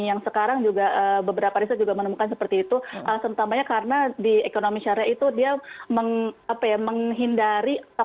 yang sekarang juga beberapa riset juga menemukan seperti itu alasan utamanya karena di ekonomi syariah itu dia menghindari